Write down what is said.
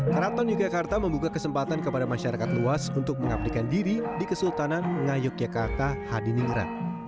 keraton yogyakarta membuka kesempatan kepada masyarakat luas untuk mengabdikan diri di kesultanan ngayogyakarta hadiningerak